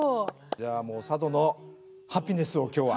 じゃあもう佐渡のハピネスを今日は。